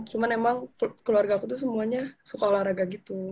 cuman emang keluarga aku tuh semuanya suka olahraga gitu